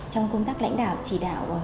trong công tác đảnh đạo chỉ đạo